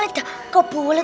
iya ustadz aku juga solat